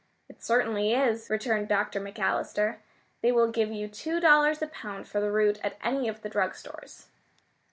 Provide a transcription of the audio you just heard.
"It certainly is," returned Dr. McAllister. "They will give you two dollars a pound for the root at any of the drug stores."